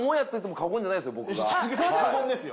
過言ですよ。